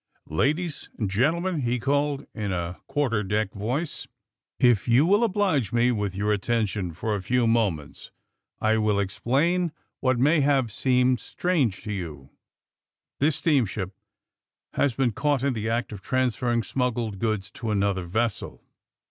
'^Ladies and gentlemen, " he called, in a qnar ter deck voice, ^4f yon will oblige me with yonr attention for a few moments I will explain what may have seemed strange to yon. This steam ship has been caught in the act of transferring smuggled goods to another vessel.